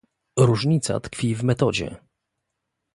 Różnica tkwi w metodzie